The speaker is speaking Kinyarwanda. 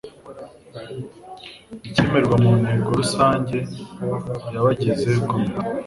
ikemerwa mu nteko rusange yabagize komite